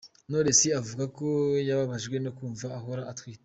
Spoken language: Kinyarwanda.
Knowless avuga ko yababajwe no kumva ahora atwite.